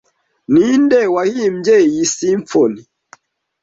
Ninde wahimbye iyi simfoni?